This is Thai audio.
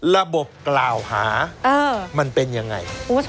ระบบกล่าวหามันเป็นยังไง